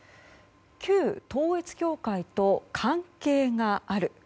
旧統一教会と関係がある。